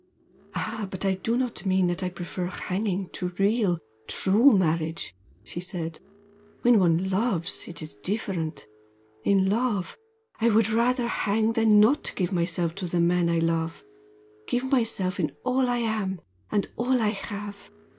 "Ah, but I do not mean that I prefer hanging to real, true marriage!" she said "When one loves, it is different! In love I would rather hang than not give myself to the man I love give myself in all I am, and all I have!